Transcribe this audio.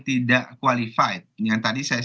tidak qualified yang tadi saya